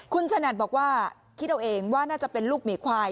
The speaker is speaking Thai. คุณฉนัดบอกว่าคิดเอาเองว่าน่าจะเป็นลูกหมีควาย